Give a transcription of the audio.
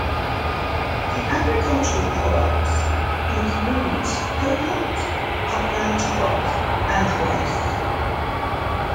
The agricultural products includes coconuts, upland crops and rice.